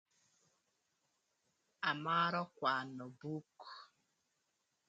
Amarö kwanö buk.